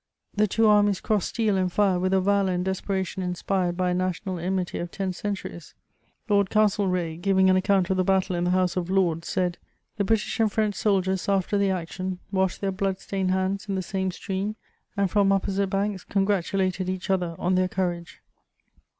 The two armies crossed steel and fire with a valour and desperation inspired by a national enmity of ten centuries. Lord Castlereagh, giving an account of the battle in the House of Lords, said: "The British and French soldiers, after the action, washed their blood stained hands in the same stream, and from opposite banks congratulated each other on their courage."